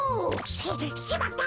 ししまった！